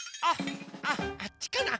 あっあっちかな。